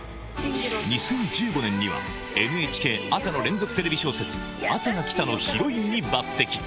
２０１５年には、ＮＨＫ朝の連続テレビ小説、あさが来たのヒロインに抜てき。